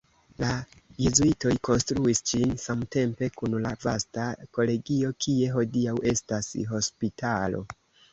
La jezuitoj konstruis ĝin samtempe kun la vasta kolegio, kie hodiaŭ estas hospitalo.